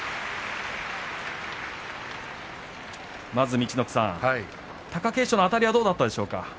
陸奥さん、貴景勝のあたりはどうだったでしょうか。